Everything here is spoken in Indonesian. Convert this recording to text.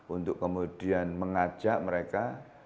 untuk kemudian mengajak mereka